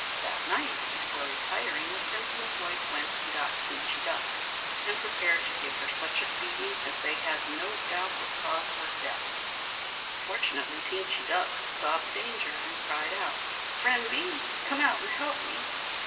That night, before retiring, the Prince and his wife went and got Teenchy Duck, and prepared to give her such a beating as they had no doubt would cause her death. Fortunately, Teenchy Duck saw the danger and cried out: "Friend Bees! come out and help me."